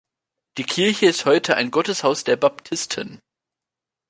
Die Kirche ist heute ein Gotteshaus der Baptisten.